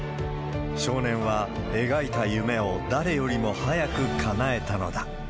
少年は描いた夢を誰よりも早くかなえたのだ。